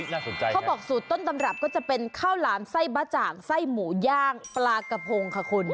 น่าสนใจเขาบอกสูตรต้นตำรับก็จะเป็นข้าวหลามไส้บะจ่างไส้หมูย่างปลากระพงค่ะคุณ